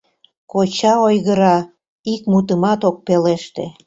Коча ойгыра, ик мутымат ок пелеште.